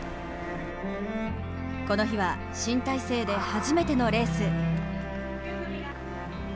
この日は、新体制で初めてのレース。